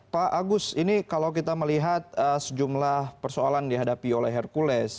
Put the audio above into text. pak agus ini kalau kita melihat sejumlah persoalan dihadapi oleh hercules